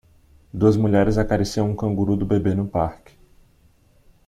Duas mulheres acariciam um canguru do bebê no parque.